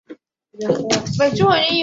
被谭鑫培倚为左右手。